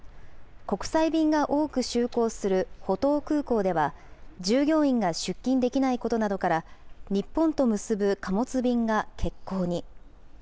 国際便が多く就航する浦東空港では、従業員が出勤できないことなどから、日本と結ぶ貨物便が欠航に。